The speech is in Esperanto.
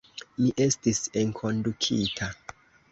Mi estis enkondukita.